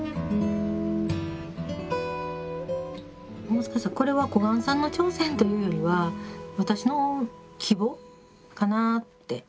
もしかしたらこれは小雁さんの挑戦というよりは私の希望かなあって思うんですけど。